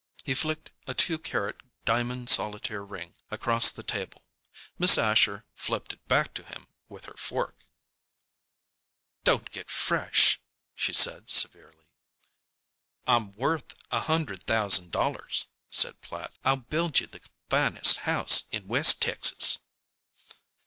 He flicked a two carat diamond solitaire ring across the table. Miss Asher flipped it back to him with her fork. "Don't get fresh," she said, severely. "I'm worth a hundred thousand dollars," said Platt. "I'll build you the finest house in West Texas."